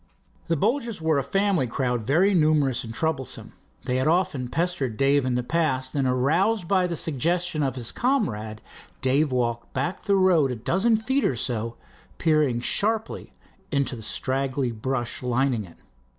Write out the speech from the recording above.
The Bolgers were a family crowd very numerous and troublesome. They had often pestered Dave in the past, and, aroused by the suggestion of his comrade, Dave walked back the road a dozen feet or so, peering sharply into the straggly brush lining it.